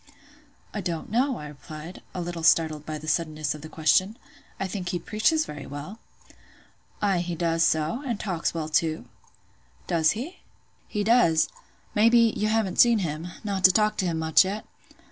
"I don't know," I replied, a little startled by the suddenness of the question; "I think he preaches very well." "Ay, he does so; and talks well too." "Does he?" "He does. Maybe, you haven't seen him—not to talk to him much, yet?"